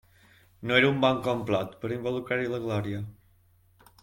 No era un bon complot per involucrar-hi la Glòria!